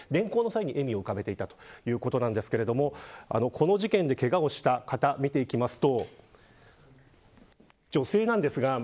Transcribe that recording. この事件でけがをした方を見ていきますと。